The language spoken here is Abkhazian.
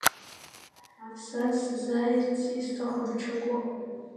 Са сызааирц исҭаху даҽакуп.